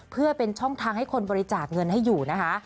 เพื่อเป็นช่องทางให้คนบริจาคเงินให้อยู่นะคะ